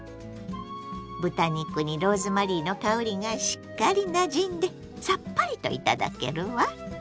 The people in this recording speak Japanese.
豚肉にローズマリーの香りがしっかりなじんでさっぱりといただけるわ。